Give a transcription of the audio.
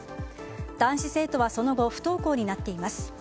男子生徒はその後不登校になっています。